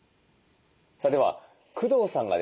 さあでは工藤さんがですね